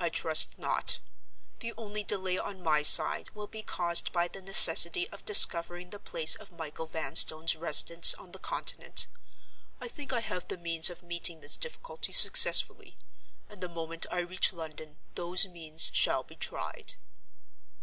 "I trust not. The only delay on my side will be caused by the necessity of discovering the place of Michael Vanstone's residence on the Continent. I think I have the means of meeting this difficulty successfully; and the moment I reach London, those means shall be tried."